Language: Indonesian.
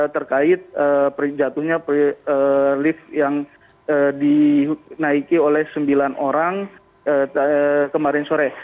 terkait jatuhnya lift yang dinaiki oleh sembilan orang kemarin sore